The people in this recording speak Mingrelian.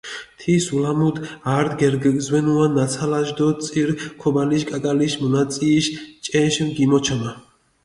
თის ულამუდჷ ართ გერზვენუა ნაცალაშ დო წირ ქობალიშ კაკალიშ მუნაწიიშე ჭეშ გიმოჩამა.